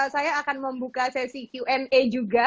saya akan membuka sesi qna juga